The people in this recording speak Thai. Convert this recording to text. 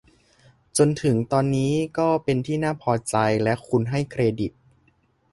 จนถึงตอนนี้ก็เป็นที่น่าพอใจและคุณให้เครดิต